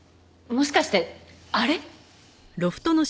もしかしてあれ？